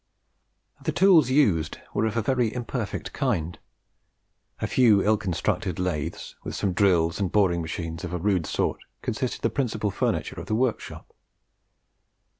The tools used were of a very imperfect kind. A few ill constructed lathes, with some drills and boring machines of a rude sort, constituted the principal furniture of the workshop.